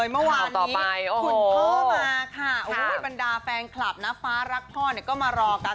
เมื่อวานนี้คุณพ่อมาค่ะบรรดาแฟนคลับนะฟ้ารักพ่อเนี่ยก็มารอกัน